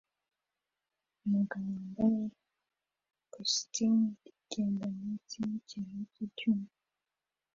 Umugabo wambaye ikositimu agenda munsi yikiraro cyicyuma